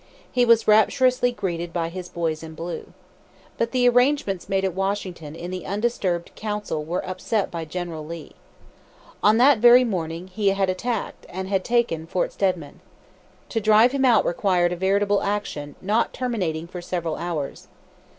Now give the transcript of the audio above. He was rapturously greeted by "his boys in blue." But the arrangements made at Washington in the undisturbed council were upset by General Lee. On that very morning he had attacked and taken Fort Stedman. To drive him out required a veritable action not terminating for several hours.